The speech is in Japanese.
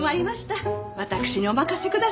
私にお任せください。